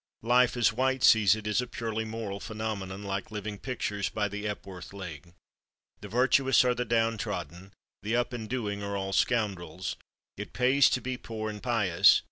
Life, as White sees it, is a purely moral phenomenon, like living pictures by the Epworth League. The virtuous are the downtrodden; the up and doing are all scoundrels. It pays to be poor and pious.